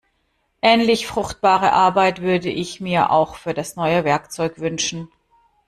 Ähnlich fruchtbare Arbeit würde ich mir auch für das neue Werkzeug wünschen.